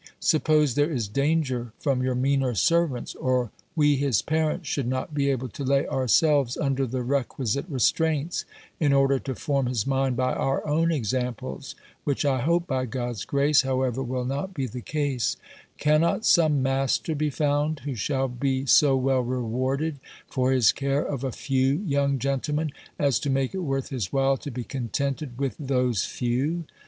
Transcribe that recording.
Suppose there is danger from your meaner servants; or we his parents should not be able to lay ourselves under the requisite restraints, in order to form his mind by our own examples, which I hope, by God's grace, however, will not be the case Cannot some master be found, who shall be so well rewarded for his care of a few young gentlemen, as to make it worth his while to be contented with those _few?